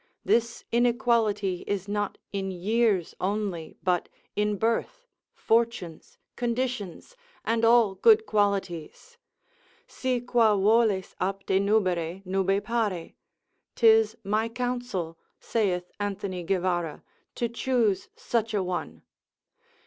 This inequality is not in years only, but in birth, fortunes, conditions, and all good qualities, si qua voles apte nubere, nube pari, 'tis my counsel, saith Anthony Guiverra, to choose such a one.